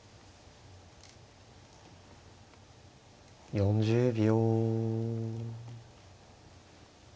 ４０秒。